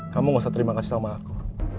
kamu gak usah terima kasih sama aku